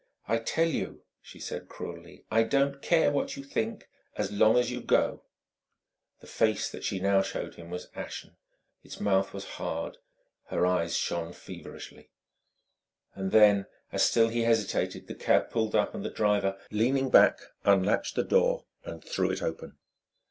"I tell you," she said cruelly "I don't care what you think, so long as you go!" The face she now showed him was ashen; its mouth was hard; her eyes shone feverishly. And then, as still he hesitated, the cab pulled up and the driver, leaning back, unlatched the door and threw it open.